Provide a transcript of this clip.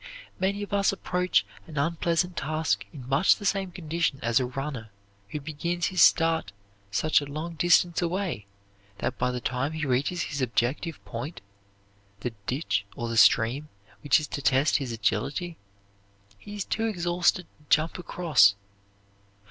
Many of us approach an unpleasant task in much the same condition as a runner who begins his start such a long distance away that by the time he reaches his objective point the ditch or the stream which is to test his agility he is too exhausted to jump across.